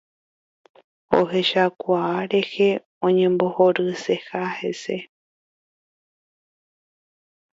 Ohechakuaa rehe oñembohoryseha hese.